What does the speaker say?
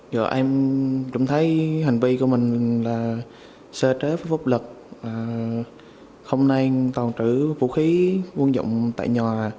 giờ em cảm thấy hành vi của mình là sơ chế phức lực không nên tàng trữ vũ khí quân dụng tại nhà